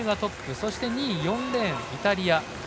そして２位、４レーンのイタリア。